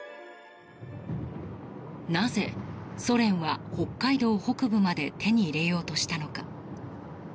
なぜ、ソ連は北海道北部まで手に入れようとしたのか。